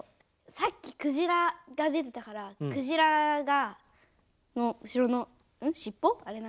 さっきクジラが出てたからクジラがの後ろの尻尾？